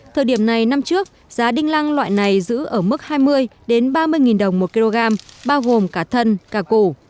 thời điểm này năm trước giá đinh lăng loại này giữ ở mức hai mươi ba mươi nghìn đồng một kg bao gồm cả thân cả củ